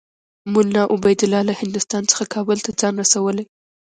مولنا عبیدالله له هندوستان څخه کابل ته ځان رسولی.